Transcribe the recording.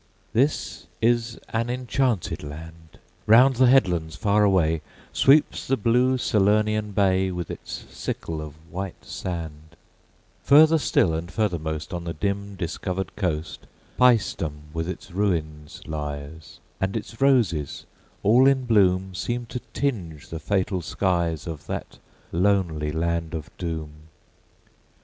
This is an enchanted land! Round the headlands far away Sweeps the blue Salernian bay With its sickle of white sand: Further still and furthermost On the dim discovered coast Paestum with its ruins lies, And its roses all in bloom Seem to tinge the fatal skies Of that lonely land of doom.